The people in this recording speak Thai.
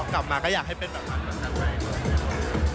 กลับมาก็อยากให้เป็นแบบ